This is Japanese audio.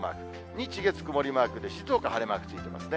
日、月、曇りマークで静岡晴れマークついてますね。